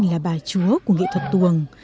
là bà chúa của nghệ thuật tuồng